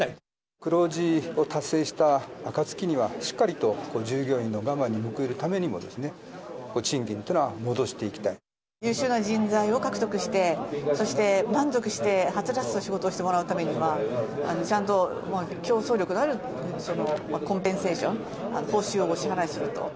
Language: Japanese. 黒字を達成した暁には、しっかりと従業員の我慢に報いるためにも、賃金というのは戻して優秀な人材を獲得して、そして満足してはつらつと仕事してもらうためには、ちゃんと競争力のある、コンペンセーション、報酬をお支払いすると。